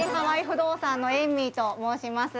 不動産のエイミーと申します